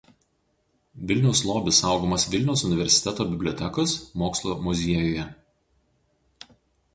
Vilniaus lobis saugomas Vilniaus universiteto bibliotekos Mokslo muziejuje.